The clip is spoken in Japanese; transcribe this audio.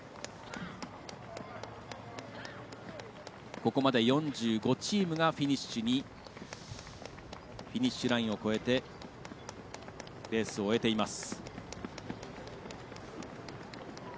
ここまで４５チームがフィニッシュラインを越えてレースを終えています。